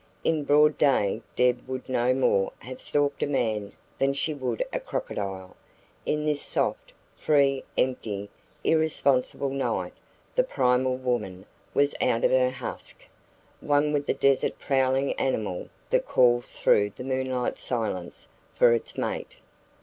In broad day Deb would no more have stalked a man than she would a crocodile; in this soft, free, empty, irresponsible night the primal woman was out of her husk, one with the desert prowling animal that calls through the moonlit silence for its mate.